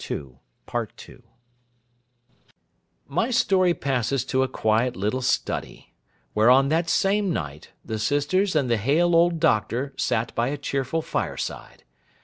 My story passes to a quiet little study, where, on that same night, the sisters and the hale old Doctor sat by a cheerful fireside.